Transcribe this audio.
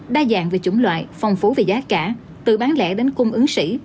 đa dạng về chủng loại phong phú về giá cả từ bán lẻ đến cung ứng sĩ